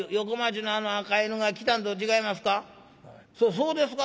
「そうですか？」。